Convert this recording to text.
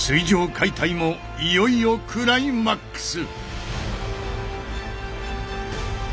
解体もいよいよクライマックス！